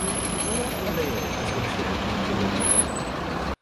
墓内有画像石并绘有壁画。